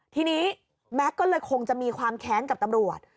ทีนี้แม็กซ์ก็เลยคงจะมีความแค้นกับตำรวจ